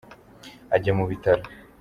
ajya mu bitaro.